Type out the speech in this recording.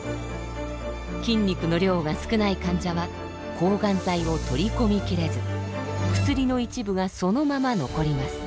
筋肉の量が少ない患者は抗がん剤を取り込み切れず薬の一部がそのまま残ります。